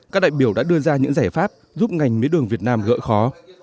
các đại biểu đã đưa ra những giải pháp giúp ngành mía đường việt nam gỡ khó